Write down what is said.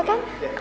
terima kasih ibu